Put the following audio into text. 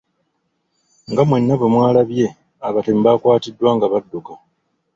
Nga mwenna bwe mwalabye, abatemu baakwatiddwa nga badduka.